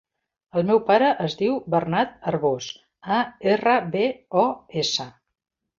El meu pare es diu Bernat Arbos: a, erra, be, o, essa.